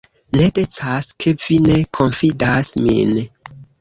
Ne decas, ke vi ne konfidas min.